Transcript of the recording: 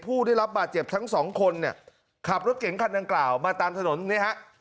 ผู้ได้รับบาดเจ็บทั้งสองคนเนี่ยขับรถเก๋งคันดังกล่าวมาตามถนนนี่ฮะ